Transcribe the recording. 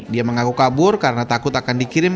dia mengaku kabur karena takut akan dikirim